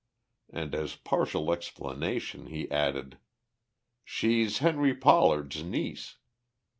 And as partial explanation, he added, "She's Henry Pollard's niece."